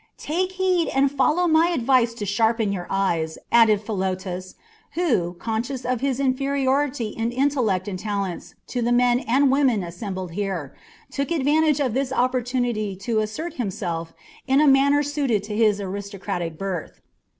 "Take heed and follow my advice to sharpen your eyes," added Philotas, who, conscious of his inferiority in intellect and talents to the men and women assembled here, took advantage of this opportunity to assert himself in a manner suited to his aristocratic birth.